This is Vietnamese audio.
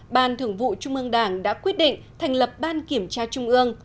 ban thường vụ trung ương đảng đã quyết định thành lập ban kiểm tra trung ương